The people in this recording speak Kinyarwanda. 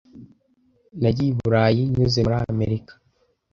Nagiye i Burayi nyuze muri Amerika.